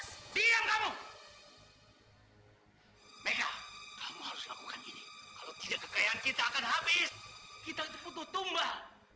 sekarang kamu ganti pakaian berdisiur